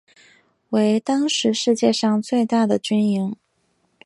为当时世界上最大的军营。